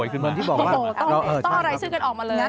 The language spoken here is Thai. ต้องตอรายชื่อการออกมาเลย